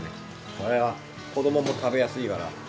これは子どもも食べやすいから。